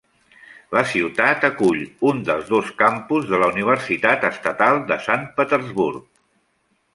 La ciutat acull un dels dos campus de la Universitat Estatal de Sant Petersburg.